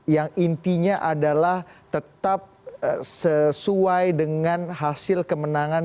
yang intinya adalah tetap sesuai dengan hasil kemenangan